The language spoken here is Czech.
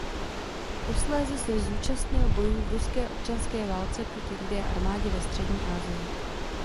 Posléze se zúčastnil bojů v ruské občanské válce proti Rudé armádě ve střední Asii.